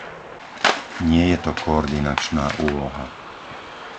Nie je to koordinačná úloha.